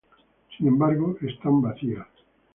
Sin embargo, están vacías.